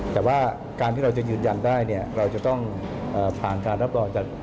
แต่ว่าการที่เราจะยืนยันได้เนี่ยเราจะต้องผ่านการรับรองจาก